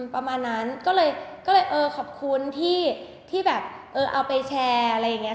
ประมาณนั้นขอบคุณที่แบบเอาไปแชร์อะไรอย่างนี้